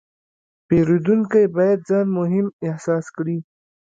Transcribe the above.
پیرودونکی باید ځان مهم احساس کړي.